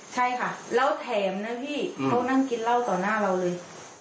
ใช่ค่ะแล้วแถมนะพี่เขานั่งกินเหล้าต่อหน้าเราเลย